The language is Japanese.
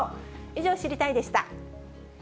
以上、知りたいッ！でした。